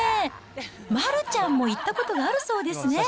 丸ちゃんも行ったことがあるそうですね。